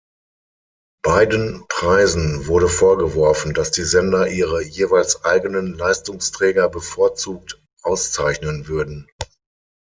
Beiden Preisen wurde vorgeworfen, dass die Sender ihre jeweils eigenen Leistungsträger bevorzugt auszeichnen würden.